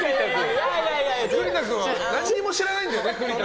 栗田君は何も知らないんだよね。